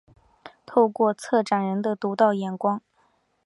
透过策展人的独到眼光